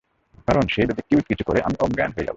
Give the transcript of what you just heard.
কারণ সে যদি কিউট কিছু করে আমি অজ্ঞান হয়ে যাবো।